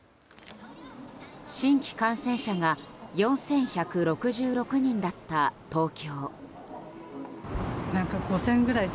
新規感染者が４１６６人だった、東京。